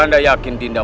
tidak saya tidak